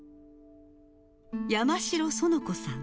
山城園子さん。